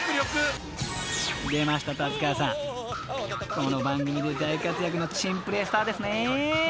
［この番組で大活躍の珍プレースターですね］